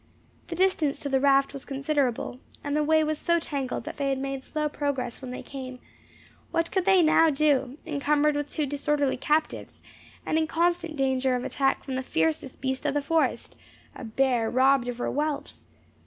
The distance to the raft was considerable, and the way was so tangled that they had made slow progress when they came; what could they now do, encumbered with two disorderly captives, and in constant danger of attack from the fiercest beast of the forest, "a bear robbed of her whelps"?